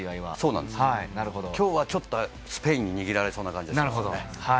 今日はちょっとスペインに握られそうな感じがします。